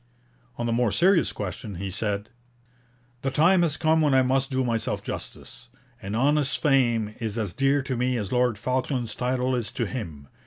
On the more serious question he said: 'The time has come when I must do myself justice. An honest fame is as dear to me as Lord Falkland's title is to him.